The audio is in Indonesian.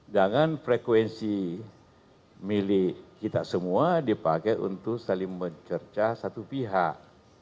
jangan frekuensi milik kita semua dipakai untuk saling mencercah satu pihak